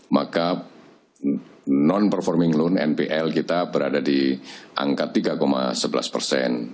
maka non performing loan npl kita berada di angka tiga sebelas persen